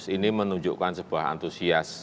ini menunjukkan sebuah antusias